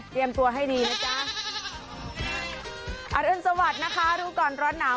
เตรียมตัวให้ดีนะจ๊ะอ่าอื่นสวัสดิ์นะคะทุกคนร้อนหนาว